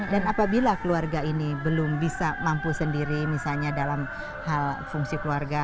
dan apabila keluarga ini belum bisa mampu sendiri misalnya dalam hal fungsi keluarga